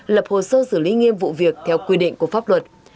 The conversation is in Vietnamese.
lập hồ sơ xử lý nghiêm vụ việc theo quy định của pháp luật